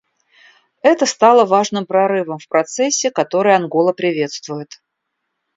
Это стало важным прорывом в процессе, который Ангола приветствует.